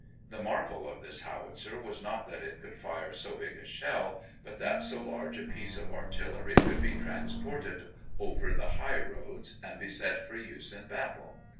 The marvel of this howitzer was not that it could fire so big a shell but that so large a piece of artillery could be transported over the highroads and be set for use in battle.